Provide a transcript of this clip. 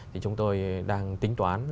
thì chúng tôi đang tính toán